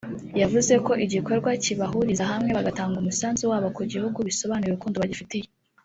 yavuze ko igikorwa kibahuriza hamwe bagatanga umusanzu wabo ku gihugu bisobanuye urukundo bagifitiye